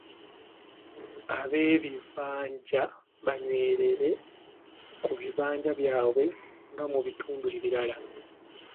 Ab’ebibanja banywerera ku bibanja byabwe nga mu bitundu ebirala.